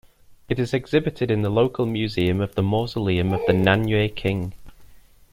It is exhibited in the local Museum of the Mausoleum of the Nanyue King.